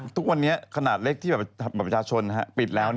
ทุกวันนี้ขนาดเล็กที่ประชาชนปิดแล้ว